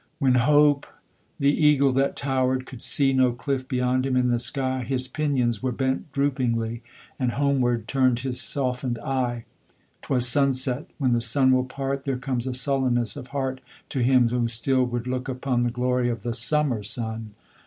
When Hope, the eagle that tower'd, could see No cliff beyond him in the sky, His pinions were bent droopingly And homeward turn'd his soften'd eye. 'Twas sunset: when the sun will part There comes a sullenness of heart To him who still would look upon The glory of the summer sun.